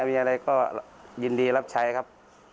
มีอะไรก็ยินดีรับใช้ครับ